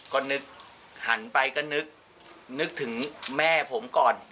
ก็นึกหันไปก็นึกถึงแม่ผมก่อน